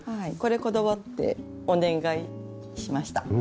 これこだわってお願いしました。